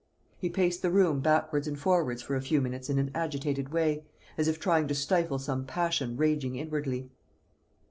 He paced the room backwards and forwards for a few minutes in an agitated way, as if trying to stifle some passion raging inwardly.